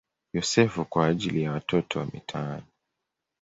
Yosefu" kwa ajili ya watoto wa mitaani.